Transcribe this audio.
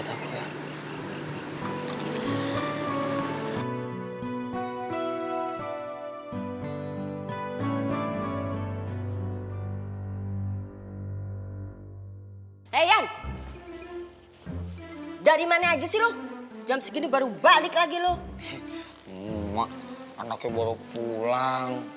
hai hey yang dari mana aja sih lo jam segini baru balik lagi loh mak anaknya baru pulang